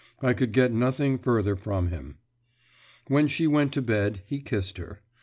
I could get nothing further from him. When she went to bed, he kissed her.